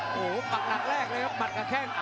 ประโยชน์ทอตอร์จานแสนชัยกับยานิลลาลีนี่ครับ